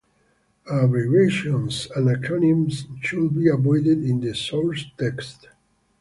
Abbreviations and acronyms should be avoided in the source text